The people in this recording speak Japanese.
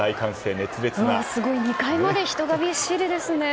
２階まで人がびっしりですね。